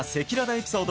エピソード